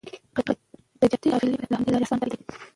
تجارتي قافلې به له همدې لارې اصفهان ته رسېدې.